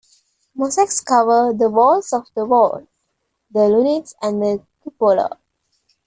Mosaics cover the walls of the vault, the lunettes and the cupola.